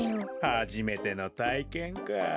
はじめてのたいけんかあ。